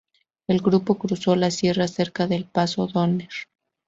El grupo cruzó la Sierra cerca del paso Donner.